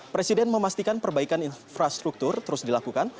presiden memastikan perbaikan infrastruktur terus dilakukan